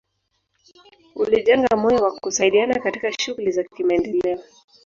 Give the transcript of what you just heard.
Ulijenga moyo wa kusaidiana katika shughuli za kimaendeleo